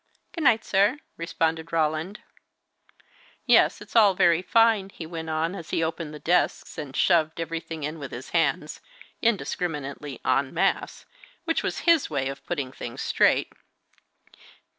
"Good night, sir," responded Roland. "Yes! it's all very fine," he went on, as he opened the desks, and shoved everything in with his hands, indiscriminately, en masse, which was his way of putting things straight.